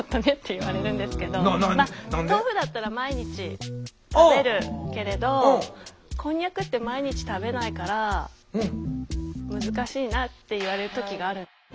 豆腐だったら毎日食べるけれどこんにゃくって毎日食べないから難しいなって言われる時がある。